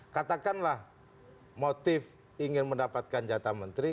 katakanlah motif ingin mendapatkan jatah menteri